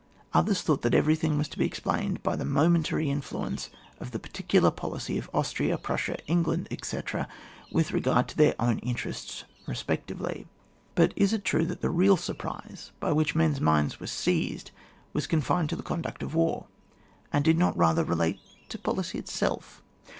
Others thought that everything was to be explained by the momentary influ ence of the particular policy of Austria, Prussia, England, etc., with regard to their own interests respectively. But is it true that the real surprise by which men's minds were seized, was con fined to the conduct of war, and did not rather relate to policy itself?